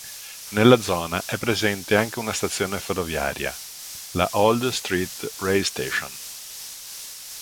Nella zona è presente anche una stazione ferroviaria, la Old Street Rail Station.